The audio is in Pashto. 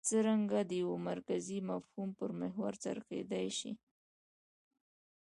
څرنګه د یوه مرکزي مفهوم پر محور څرخېدای شي.